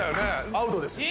「アウトですよ」